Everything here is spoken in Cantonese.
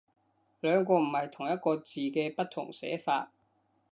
兩個唔係同一個字嘅不同寫法